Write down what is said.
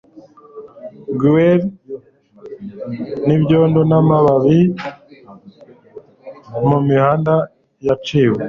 Gruel yibyondo namababi mumihanda yaciwe